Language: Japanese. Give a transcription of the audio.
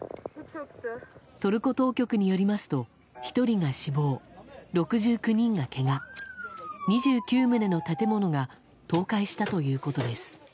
トルコ当局によりますと１人が死亡、６９人がけが２９棟の建物が倒壊したということです。